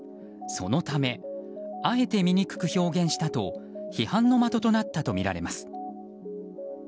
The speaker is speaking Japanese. そのため、あえて醜く表現したと批判の的となったとみられます。